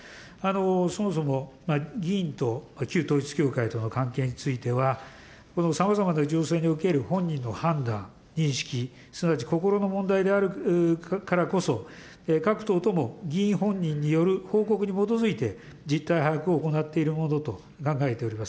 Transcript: そもそも議員と旧統一教会との関係については、さまざまな情勢における本人の判断、認識、すなわち心の問題であるからこそ、各党とも、議員本人による報告に基づいて、実態把握を行っているものと考えております。